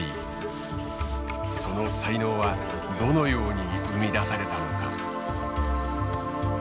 その才能はどのように生み出されたのか。